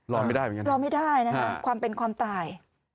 รอไม่ได้เหมือนกันนะครับความเป็นความตาย